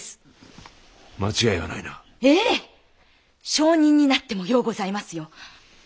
証人になってもようございますよ。